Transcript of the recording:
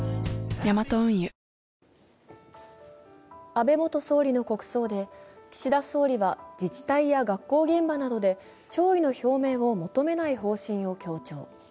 ヤマト運輸安倍元総理の国葬で岸田総理は自治体や学校現場などで弔意の表明を求めない方針を強調。